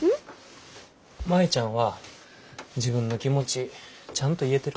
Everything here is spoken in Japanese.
舞ちゃんは自分の気持ちちゃんと言えてる？